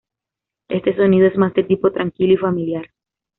Este sonido es más de tipo tranquilo y familiar.